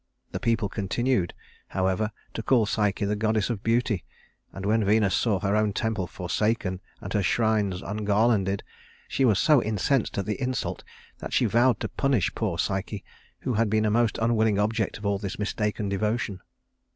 The people continued, however, to call Psyche the goddess of beauty; and when Venus saw her own temple forsaken and her shrines ungarlanded, she was so incensed at the insult that she vowed to punish poor Psyche, who had been a most unwilling object of all this mistaken devotion.